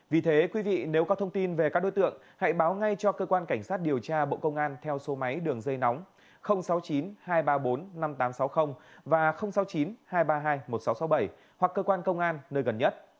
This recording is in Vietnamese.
vì thế quý vị nếu có thông tin về các đối tượng hãy báo ngay cho cơ quan cảnh sát điều tra bộ công an theo số máy đường dây nóng sáu mươi chín hai trăm ba mươi bốn năm nghìn tám trăm sáu mươi và sáu mươi chín hai trăm ba mươi hai một nghìn sáu trăm sáu mươi bảy hoặc cơ quan công an nơi gần nhất